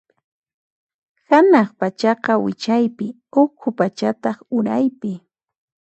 Hanaq pachaqa wichaypi, ukhu pachataq uraypi.